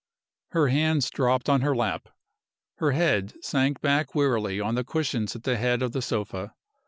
Her hands dropped on her lap; her head sank back wearily on the cushions at the head of the sofa.